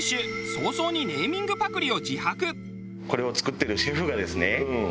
早々にネーミングパクりを自白。